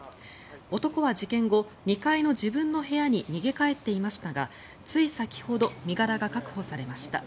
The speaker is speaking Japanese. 男は事件後、２階の自分の部屋に逃げ帰っていましたがつい先ほど身柄が確保されました。